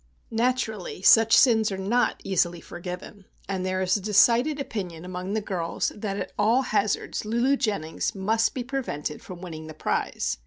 Naturally such sins are not easily forgiven; and there is a decided opinion among the girls that at all hazards Lulu Jennings must be prevented from winning the prize.